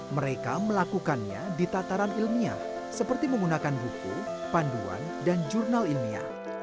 mereka melakukannya di tataran ilmiah seperti menggunakan buku panduan dan jurnal ilmiah